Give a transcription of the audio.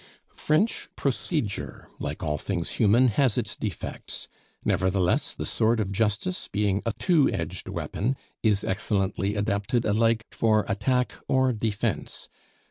French procedure, like all things human, has its defects; nevertheless, the sword of justice, being a two edged weapon, is excellently adapted alike for attack or defence.